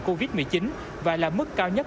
covid một mươi chín và là mức cao nhất